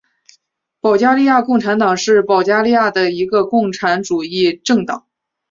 保加利亚共产党是保加利亚的一个共产主义政党。